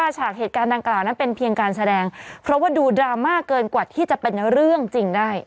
ฉากเหตุการณ์ดังกล่าวนั้นเป็นเพียงการแสดงเพราะว่าดูดราม่าเกินกว่าที่จะเป็นเรื่องจริงได้